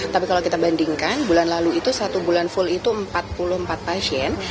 tapi kalau kita bandingkan bulan lalu itu satu bulan full itu empat puluh empat pasien